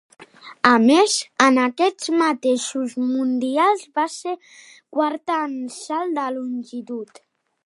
A més en aquests mateixos mundials va ser quarta en salt de longitud.